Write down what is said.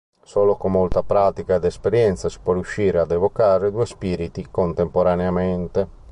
Solo con molta pratica ed esperienza si può riuscire ad evocare due spiriti contemporaneamente.